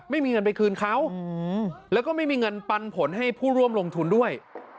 ไม่มีเงินไปคืนเขาแล้วก็ไม่มีเงินปันผลให้ผู้ร่วมลงทุนด้วย